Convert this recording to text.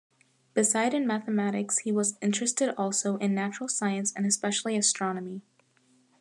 Beside in mathematics he was interested also in natural science and especially astronomy.